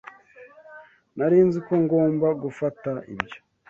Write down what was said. Nari nzi ko ngomba gufata ibyo.